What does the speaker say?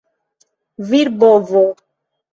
virbovo